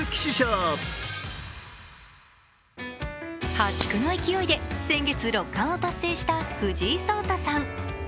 破竹の勢いで先月六冠を達成した藤井聡太さん。